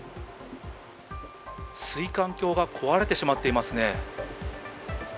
水管橋が壊れてしまっていますね。